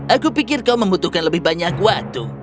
aku pikir kau membutuhkan lebih banyak waktu